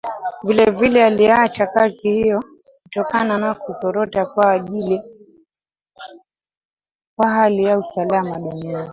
Vilevile aliacha kazi hiyo kutokana na kuzorota kwa hali ya usalama duniani